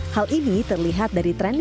hal ini terlihat dari tren